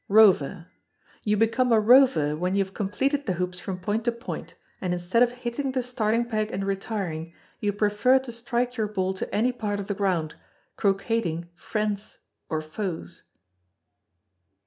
Rover. You become a Rover when you have completed the hoops from point to point, and instead of hitting the starting peg and retiring, you prefer to strike your ball to any part of the ground, croqueting friends or foes.